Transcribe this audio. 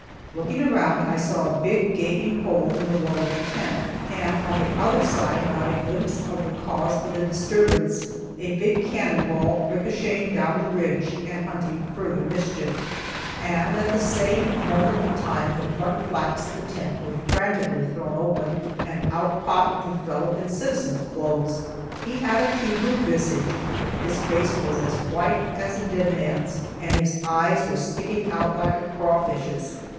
Looking around, I saw a big, gaping hole in the wall of the tent, and on the other side got a glimpse of the cause of the disturbance a big cannon ball ricochetting down the ridge, and hunting further mischief. And at the same moment of time the front flaps of the tent were frantically thrown open, and out popped a fellow in citizen's clothes. He had a Hebrew visage, his face was as white as a dead man's, and his eyes were sticking out like a crawfish's.